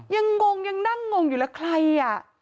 ยังงงยังนั่งงงอยู่แล้วใคร